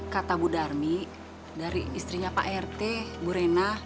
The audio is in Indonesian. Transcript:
kata bu darmi dari istrinya pak rt bu rena